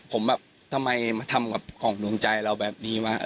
ผมแบบทำไมมาทำกับของดวงใจเราแบบนี้วะ